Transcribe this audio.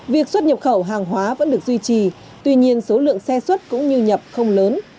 việc xuất nhập khẩu hàng hóa vẫn được duy trì tuy nhiên số lượng xe xuất cũng như nhập không lớn